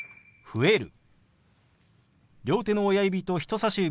「増える」。